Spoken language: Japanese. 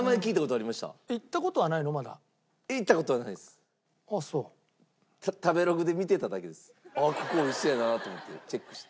あっここ美味しそうやなと思ってチェックして。